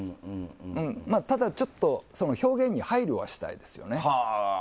ただちょっと表現に配慮はしたいですね。